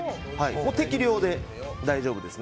適量で大丈夫です。